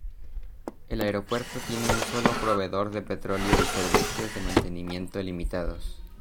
El Aeropuerto tiene un solo proveedor de petróleo y servicios de mantenimiento limitados.